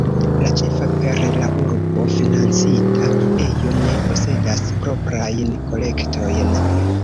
La ĉefe per la urbo financita ejo ne posedas proprajn kolektojn.